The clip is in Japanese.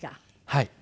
はい。